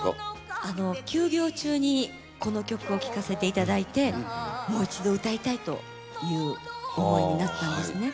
休業中にこの曲を聴かせていただいてもう一度歌いたいという思いになったんですね。